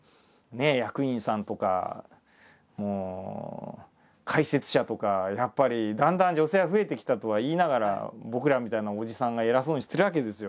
役員さんとかもう解説者とかやっぱりだんだん女性が増えてきたとはいいながら僕らみたいなおじさんが偉そうにしてるわけですよ。